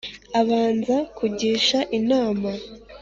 abanza kugisha inama